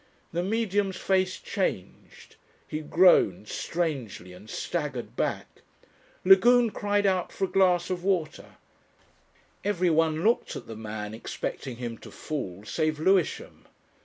The Medium's face changed, he groaned strangely and staggered back. Lagune cried out for a glass of water. Everyone looked at the man, expecting him to fall, save Lewisham.